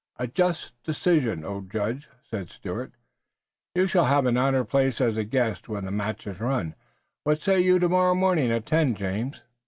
"A just decision, O Judge!" said Stuart. "You shall have an honored place as a guest when the match is run. What say you to tomorrow morning at ten, James?"